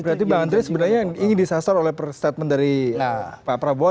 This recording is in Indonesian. berarti bang andri sebenarnya ini disasar oleh perstatemen dari pak prabowo